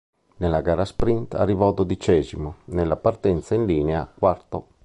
Nella gara sprint arrivò dodicesimo, nella partenza in linea quarto.